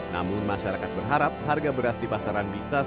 namun masyarakat berharap harga beras di pasaran bisa selesai